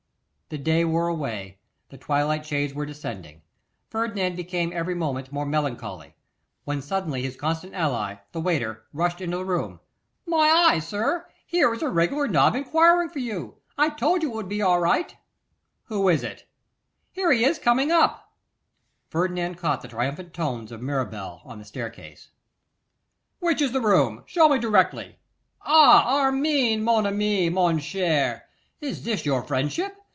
The day wore away, the twilight shades were descending; Ferdinand became every moment more melancholy, when suddenly his constant ally, the waiter, rushed into the room. 'My eye, sir, here is a regular nob enquiring for you. I told you it would be all right.' 'Who is it?' 'Here he is coming up.' Ferdinand caught the triumphant tones of Mirabel on the staircase. 'Which is the room? Show me directly. Ah! Armine, mon ami! mon cher! Is this your friendship?